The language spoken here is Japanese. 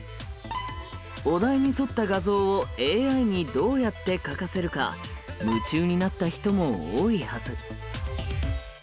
お題に沿った画像をＡＩにどうやって描かせるか夢中になった人も多いはず。